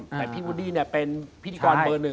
แต่พี่วูดดี้เป็นพิธีกรเบอร์๑